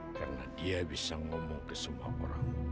karena dia bisa ngomong ke semua orang